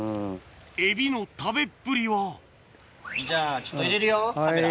エビの食べっぷりはじゃあちょっと入れるよカメラ。